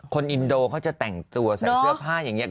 อินโดเขาจะแต่งตัวใส่เสื้อผ้าอย่างนี้